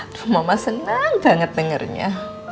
aduh mama senang banget dengernya